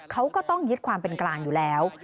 เขาก็ต้องยึดความเป็นกลางอยู่แล้ว